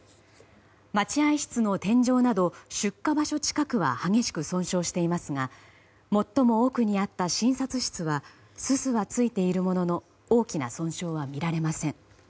待合室の天井など出火場所近くは激しく損傷していますが最も奥にあった診察室はすすはついているものの大きな損傷は見られません。